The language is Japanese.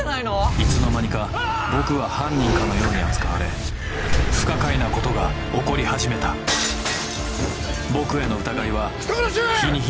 いつの間にか僕は犯人かのように扱われ不可解なことが起こり始めた僕への疑いは人殺し！